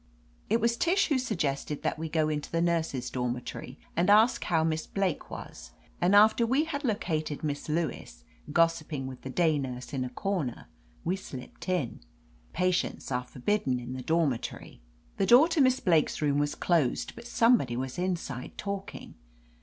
It was Tish who suggested that we go into the nurses' dormitory and ask how Miss Blake was, and after we had located Miss Lewis, gossiping with the day nurse in a corner, we slipped in. Patients are forbidden in the dor mitory. The door to Miss Blake's room was closed, but somebody was inside, talking.